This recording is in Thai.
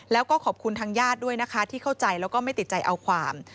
แล้วก็ขอบคุณทางญาติด้วยนะคะที่เข้าใจแล้วก็ไม่ติดใจเอาความ